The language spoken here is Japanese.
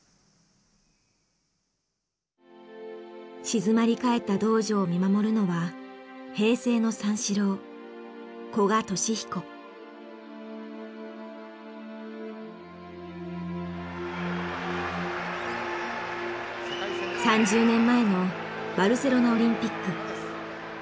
静まり返った道場を見守るのは３０年前のバルセロナ・オリンピック。